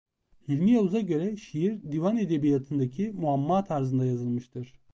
Hilmi Yavuz'a göre şiir Divan Edebiyatındaki "muamma" tarzında yazılmıştır.